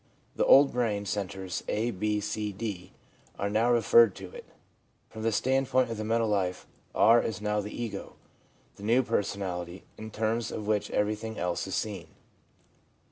The old brain centres, A, B, C, D, are now referred to it. From the standpoint of the mental life, r is now the ego, the new personality — in terms of which everything else is seen.